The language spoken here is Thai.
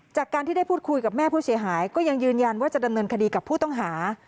จากการที่ได้พูดคุยกับแม่ผู้เสียหายก็ยังยืนยันว่าจะดำเนินคดีกับผู้ต้องหา